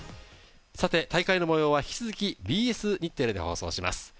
大会の模様は引き続きＢＳ日テレで放送します。